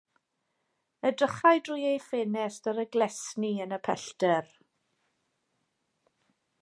Edrychai drwy ei ffenest ar y glesni yn y pellter.